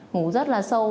ngủ rất là sâu